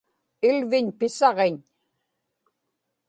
ilviñ pisaġiñ